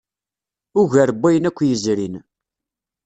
Ugar n wayen akk yezrin.